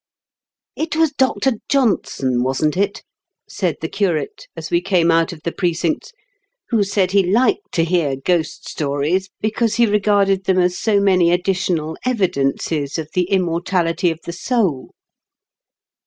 *' It was Dr. Johnson, wasn't it," said the curate, as we came out of the Precincts, " who said he liked to hear ghost stories, because he regarded them as so many additional evidences of the immortality of the soul